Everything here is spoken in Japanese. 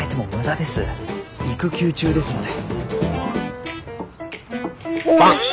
育休中ですので。